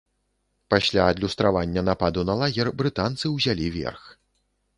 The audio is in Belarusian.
Пасля адлюстравання нападу на лагер брытанцы ўзялі верх.